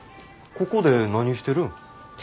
ここで何してるん？